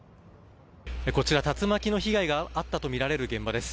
こちら、竜巻の被害が遭ったとみられる現場です。